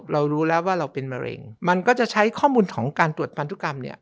เรารู้แล้วว่าเราเป็นมะเร็งมันก็จะใช้ข้อมูลของการตรวจพันธุกรรมเนี่ย